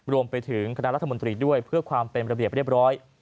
รวมไปถึงคณะรัฐมนตรีด้วยเพื่อความเป็นระเบียบเรียบร้อย